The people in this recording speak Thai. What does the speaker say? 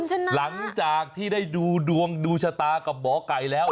หลังจากที่ได้ดูดวงดูชะตากับหมอไก่แล้ว